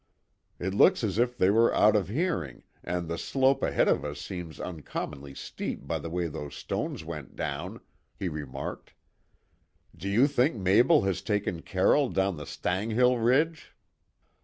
"It looks as if they were out of hearing, and the slope ahead of us seems uncommonly steep by the way those stones went down," he remarked. "Do you think Mabel has taken Carroll down the Stanghyll ridge?"